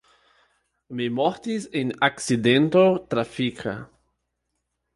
Mi mortis en akcidento trafika.